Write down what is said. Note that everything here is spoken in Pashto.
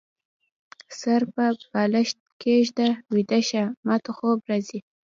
سر په بالښت کيږده ، ويده شه ، ماته خوب راځي